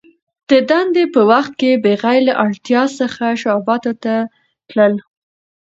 د دندي په وخت کي بغیر له اړتیا څخه شعباتو ته تلل .